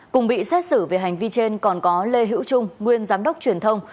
cùng bị xét xử về hành vi trên còn có lê hữu trung nguyên giám đốc truyền thông